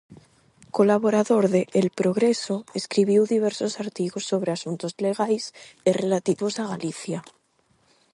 Colaborador de "El Progreso", escribiu diversos artigos sobre asuntos legais e relativos a Galicia.